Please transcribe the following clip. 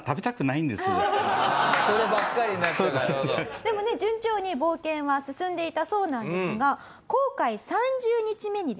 でもね順調に冒険は進んでいたそうなんですが航海３０日目にですね